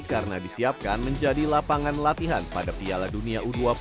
karena disiapkan menjadi lapangan latihan pada piala dunia u dua puluh